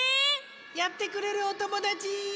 やってくれるおともだち！